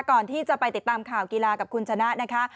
ก่อนที่จะไปติดตามข่าวกีฬากับคุณชนะนะคะ